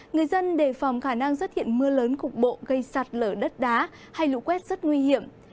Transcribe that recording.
người dân đề phòng khả năng xuất hiện mưa lớn cục bộ gây sạt lở đất đá hay lũ quét rất nguy hiểm